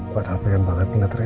pada apa yang banget ingat rena